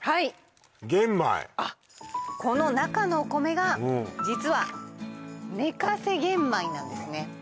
はいあっこの中のお米が実は寝かせ玄米なんですね